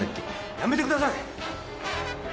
やめてください！